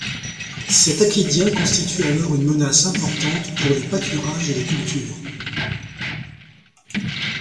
Cet acridien constitue alors une menace importante pour les pâturages et les cultures.